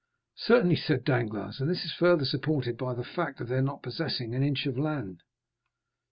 "Certainly," said Danglars, "and this is further supported by the fact of their not possessing an inch of land."